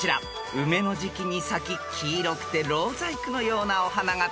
［梅の時季に咲き黄色くてろう細工のようなお花が特徴です］